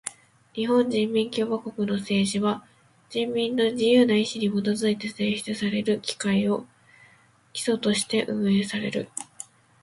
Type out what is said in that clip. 日本人民共和国の政治は人民の自由な意志にもとづいて選出される議会を基礎として運営される。